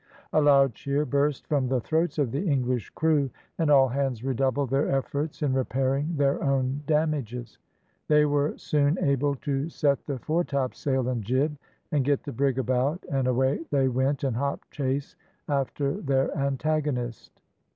A loud cheer burst from the throats of the English crew, and all hands redoubled their efforts in repairing their own damages. They were soon able to set the foretopsail and jib, and get the brig about, and away they went in hot chase after their antagonist.